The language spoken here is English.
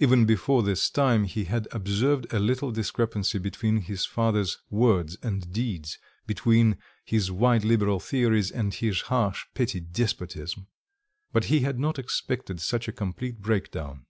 Even before this time he had observed a little discrepancy between his father's words and deeds, between his wide liberal theories and his harsh petty despotism; but he had not expected such a complete breakdown.